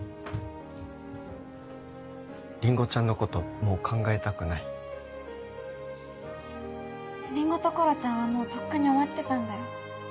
りんごちゃんのこともう考えたくないりんごところちゃんはもうとっくに終わってたんだよ